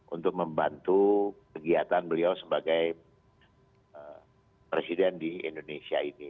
untuk membantu kegiatan beliau sebagai presiden di indonesia ini